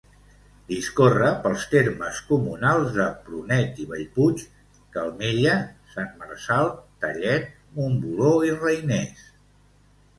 Discorre pels termes comunals de Prunet i Bellpuig, Calmella, Sant Marçal, Tellet, Montboló i Reiners.